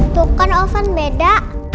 tuh kan oven beda